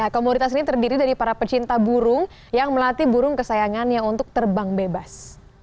komoditas ini terdiri dari para pecinta burung yang melatih burung kesayangannya untuk terbang bebas